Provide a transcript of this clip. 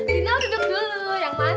lino duduk dulu yang manis